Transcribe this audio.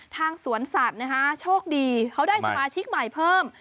ทางสวนสัตว์โชคดีเขาได้สมาชิกใหม่เพิ่ม